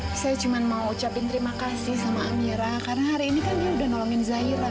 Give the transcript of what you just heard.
saya cuma mau ucapin terima kasih sama amira karena hari ini kan dia udah nolongin zaira